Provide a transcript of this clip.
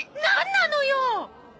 なんなのよ！